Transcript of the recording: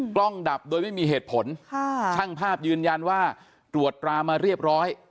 ดับโดยไม่มีเหตุผลช่างภาพยืนยันว่าตรวจตรามาเรียบร้อย